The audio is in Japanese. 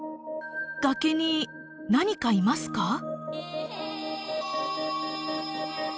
崖に何かいますか？